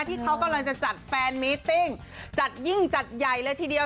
ที่เขากำลังจะจัดแฟนมิตติ้งจัดยิ่งจัดใหญ่เลยทีเดียว